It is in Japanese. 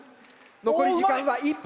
残り時間は１分。